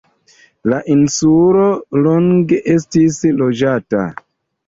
La insulo longe estis loĝata.